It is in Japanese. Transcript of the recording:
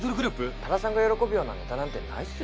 多田さんが喜ぶようなネタなんてないっすよ。